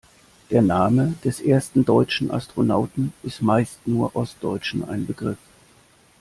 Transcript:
Der Name des ersten deutschen Astronauten ist meist nur Ostdeutschen ein Begriff.